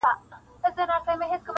څوك به بولي له اټكه تر مالانه-